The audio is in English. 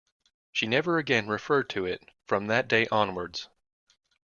She never again referred to it, from that day onwards.